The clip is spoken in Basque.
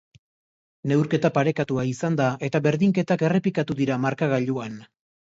Neurketa parekatua izan da eta berdinketak errepikatu dira markagailuan.